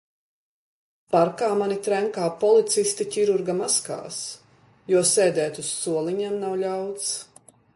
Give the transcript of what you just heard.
Parkā mani trenkā policisti ķirurga maskās, jo sēdēt uz soliņiem nav ļauts.